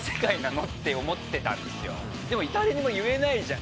でも誰にも言えないじゃん。